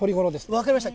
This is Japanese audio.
分かりました。